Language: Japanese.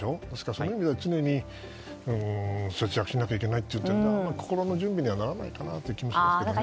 そういう意味では常に節約しなければいけないというのは心の準備にならないかなという気もしますが。